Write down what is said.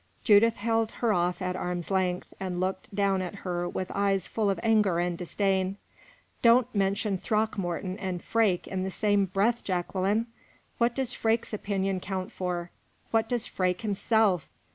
Judith held her off at arm's length, and looked down at her with eyes full of anger and disdain. "Don't mention Throckmorton and Freke in the same breath, Jacqueline! What does Freke's opinion count for what does Freke himself?